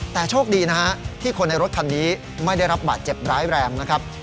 แต่โชคดีนะฮะที่คนในรถคันนี้ไม่ได้รับบาดเจ็บร้ายแรงนะครับ